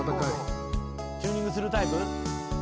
チューニングするタイプ？